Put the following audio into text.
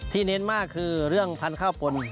เน้นมากคือเรื่องพันธุ์ข้าวปน